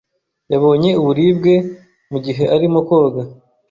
Yabonye uburibwe mugihe arimo koga.